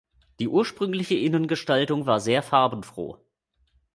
Die ursprüngliche Innengestaltung war sehr farbenfroh.